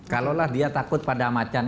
kalaulah dia takut pada macan